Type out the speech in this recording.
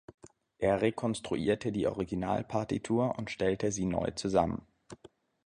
Er rekonstruierte die Original-Partitur und stellte sie neu zusammen.